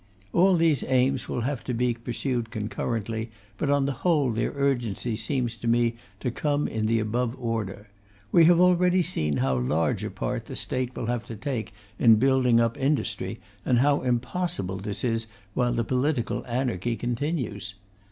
All these aims will have to be pursued concurrently, but on the whole their urgency seems to me to come in the above order. We have already seen how large a part the State will have to take in building up industry, and how impossible this is while the political anarchy continues.